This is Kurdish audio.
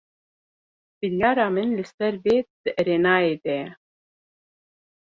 Biryara min li ser vê di erênayê de ye.